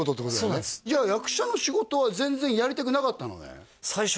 そうなんですじゃあ役者の仕事は全然やりたくなかったのね？